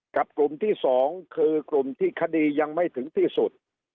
กับกลุ่มที่๒คือกลุ่มที่คดียังไม่ถึงที่สุด